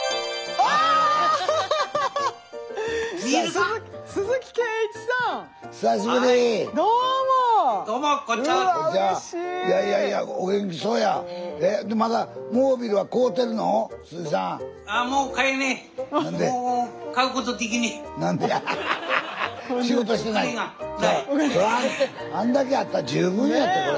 あんだけあったら十分やってこれ。